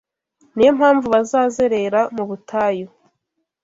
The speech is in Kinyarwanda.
Ni yo mpamvu bazazerera mu butayu